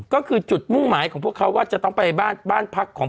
ก็คือจุดมุ่งหมายของพวกเขาว่าจะต้องไปบ้านบ้านพักของ